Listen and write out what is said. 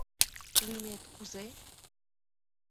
— Лӱмет кузе?